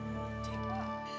bantuk saya lagi